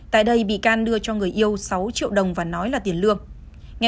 tại đây bị can đưa cho người yêu sáu triệu đồng và nói là tiền lương